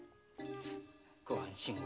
ご安心を。